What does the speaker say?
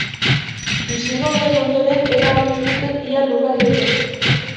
Bisigodoen ondoren erabat hustu zen ia lurralde hura.